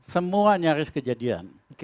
semua nyaris kejadian